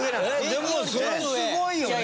でもそれすごいよね。